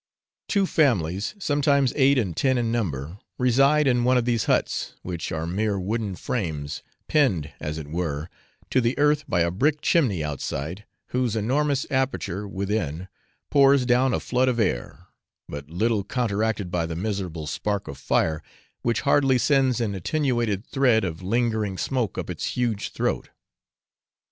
Two families (sometimes eight and ten in number) reside in one of these huts, which are mere wooden frames pinned, as it were, to the earth by a brick chimney outside, whose enormous aperture within pours down a flood of air, but little counteracted by the miserable spark of fire, which hardly sends an attenuated thread of lingering smoke up its huge throat.